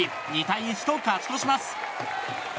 ２対１と勝ち越します。